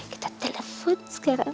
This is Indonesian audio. kita telepon sekarang